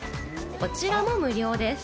こちらも無料です。